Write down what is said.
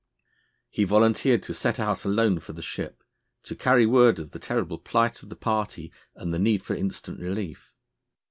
He volunteered to set out alone for the ship, to carry word of the terrible plight of the party and the need for instant relief.